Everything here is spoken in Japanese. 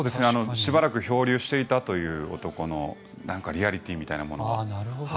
しばらく漂流していたという男のリアリティーみたいなものが。